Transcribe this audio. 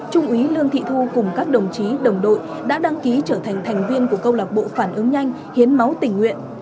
trung úy lương thị thu cùng các đồng chí đồng đội đã đăng ký trở thành thành viên của câu lạc bộ phản ứng nhanh hiến máu tình nguyện